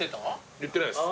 言ってないです。